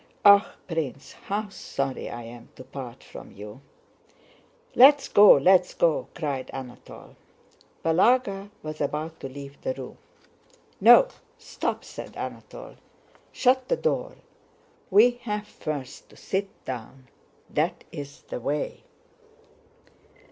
"Ah, Prince, how sorry I am to part from you! "Let's go. Let's go!" cried Anatole. Balagá was about to leave the room. "No, stop!" said Anatole. "Shut the door; we have first to sit down. That's the way."